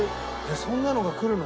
そんなのが来るの？